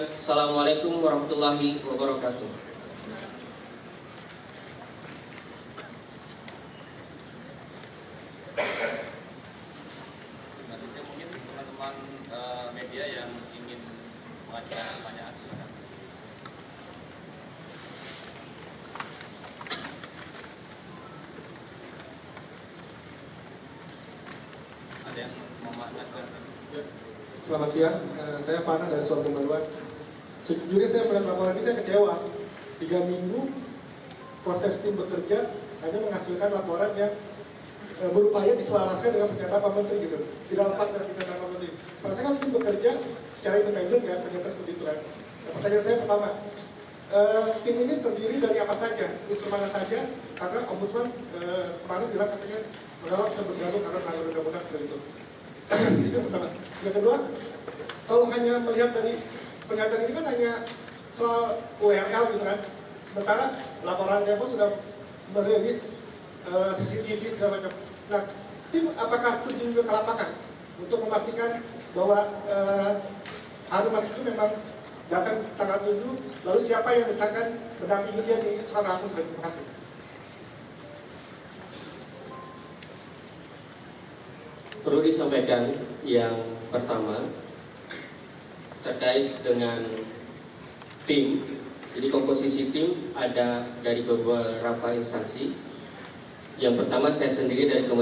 assalamualaikum warahmatullahi wabarakatuh